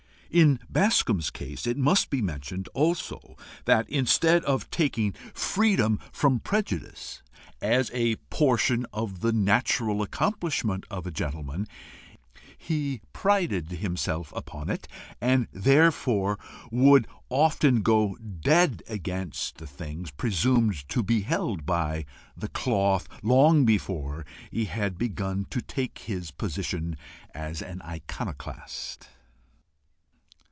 In Bascombe's case, it must be mentioned also that, instead of taking freedom from prejudice as a portion of the natural accomplishment of a gentleman, he prided himself upon it, and THEREFORE would often go dead against the things presumed to be held by THE CLOTH, long before he had begun to take his position as an iconoclast.